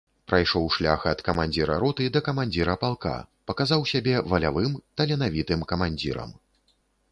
Прайшоў шлях ад камандзіра роты да камандзіра палка, паказаў сябе валявым, таленавітым камандзірам.